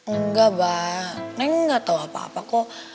enggak abah neng gak tau apa apa kok